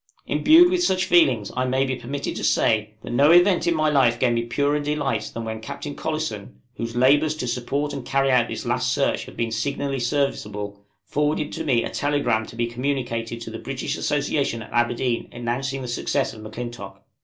Imbued with such feelings, I must be permitted to say, that no event in my life gave me purer delight, than when Captain Collinson, whose labors to support and carry out this last search have been signally serviceable, forwarded to me a telegram to be communicated to the British Association at Aberdeen announcing the success of M'Clintock.